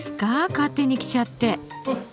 勝手に着ちゃって。